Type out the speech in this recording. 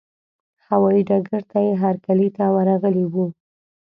هوايي ډګر ته یې هرکلي ته ورغلي وو.